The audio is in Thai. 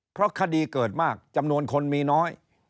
เพราะคดีเกิดมากจำนวนคนมีน้อย